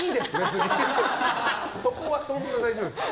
そこはそんな大丈夫です。